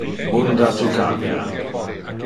Munda tu camera.